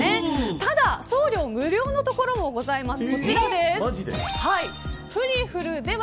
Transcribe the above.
ただ送料無料の所もございます。